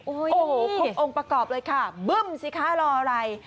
โอ้โหครบองค์ประกอบเลยค่ะบึ้มสิคะรออะไร